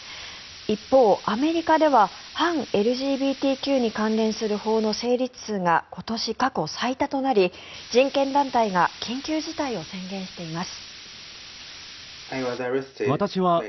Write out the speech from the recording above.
一方、アメリカでは反ＬＧＢＴＱに関連する法の成立数が今年、過去最多となり人権団体が緊急事態を宣言しています。